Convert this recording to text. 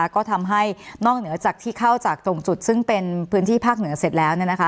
ก็ทำให้นอกเหนือจากที่เข้าจากตรงจุดซึ่งเป็นพื้นที่ภาคเหนือเสร็จแล้ว